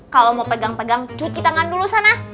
kalau mau pegang pegang cuci tangan dulu sana